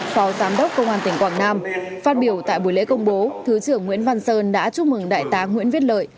phó giám đốc công an tỉnh quảng nam phát biểu tại buổi lễ công bố thứ trưởng nguyễn văn sơn đã chúc mừng đại tá nguyễn viết lợi